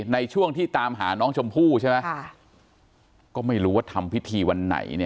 ในช่วงที่ตามหาน้องชมพู่ใช่ไหมก็ไม่รู้ว่าทำพิธีวันไหนเนี่ย